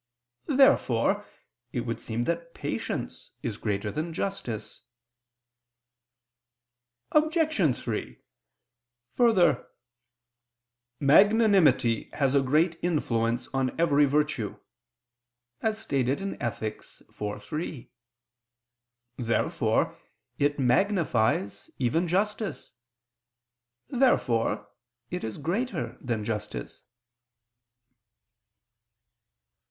Therefore it would seem that patience is greater than justice. Obj. 3: Further, "Magnanimity has a great influence on every virtue," as stated in Ethic. iv, 3. Therefore it magnifies even justice. Therefore it is greater than justice.